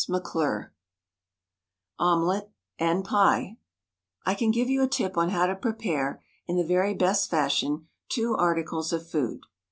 McClure OMELETTE— AND PIE I can give you a tip on how to prepare, in the very best fashion, two articles of food.